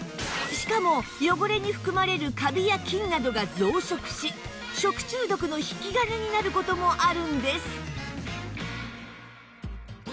しかも汚れに含まれるカビや菌などが増殖し食中毒の引き金になる事もあるんです